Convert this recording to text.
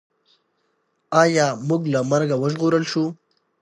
ایا موږ له مرګه وژغورل شوو؟